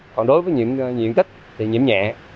còn đối với diện tích thì nhiễm nhẹ